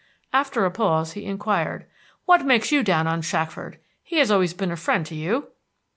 After a pause he inquired, "What makes you down on Shackford? He has always been a friend to you."